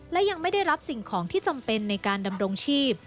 และยังไม่ได้รับสิ่งของที่จำเป็นในการดำรงชีพ